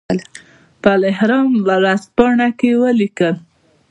په الاهرام ورځپاڼه کې ولیکل.